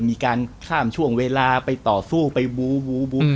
มีการข้ามช่วงเวลาไปต่อสู้ไปบูบูบู